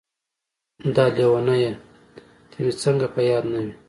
داح لېونۍ ته مې څنګه په ياده نه وې.